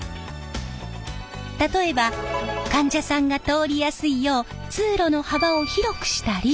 例えば患者さんが通りやすいよう通路の幅を広くしたり。